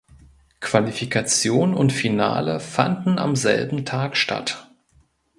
Qualifikation und Finale fanden am selben Tag statt.